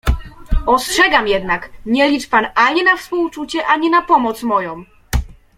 "Ostrzegam jednak, nie licz pan, ani na współczucie, ani na pomoc moją!"